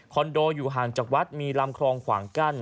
โดอยู่ห่างจากวัดมีลำคลองขวางกั้น